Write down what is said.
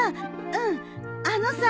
うんあのさ。